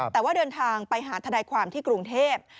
แต่ว่าเดินทางไปหาทนายความที่กรุงเทพ